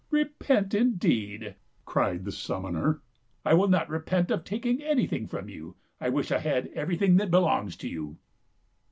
" Repent, indeed !" cried the summoner. " I '11 not repent of taking anything from you. I wish I had everything that belongs to you."